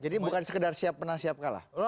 dan sekedar siap menang siap kalah